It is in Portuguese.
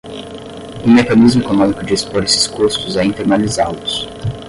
Um mecanismo econômico de expor esses custos é internalizá-los.